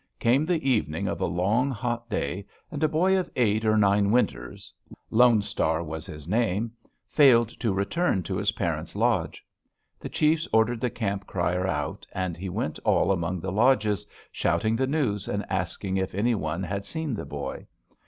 Came the evening of a long, hot day, and a boy of eight or nine winters Lone Star was his name failed to return to his parents' lodge. The chiefs ordered the camp crier out, and he went all among the lodges, shouting the news, and asking if any one had seen the boy?